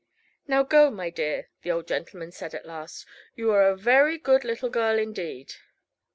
"Now go, my dear," the old gentleman said at last; "you are a very good little girl indeed."